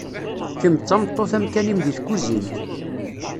kemm d tameṭṭut amkan-im deg tkuzint.